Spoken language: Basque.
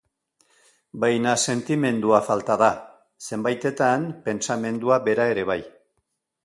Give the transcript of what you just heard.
Baina sentimendua falta da; zenbaitetan, pentsamendua bera ere bai.